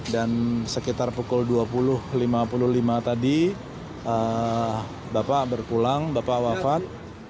dan sekitar pukul dua puluh lima puluh lima tadi bapak berpulang bapak wafat